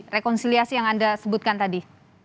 rekonsiliasi yang anda sebutkan tadi